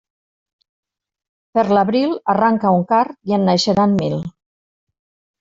Per l'abril, arranca un card i en naixeran mil.